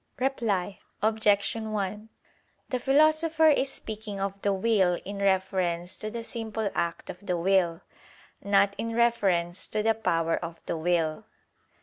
Reply Obj. 1: The Philosopher is speaking of the will in reference to the simple act of the will; not in reference to the power of the will.